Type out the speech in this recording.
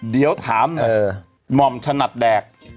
เดี้ยวขอถามนะหม่อมถดดแดก